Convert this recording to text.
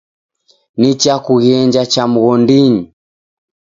Nichakughenja cha mghondinyi.